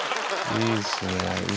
いいっすね。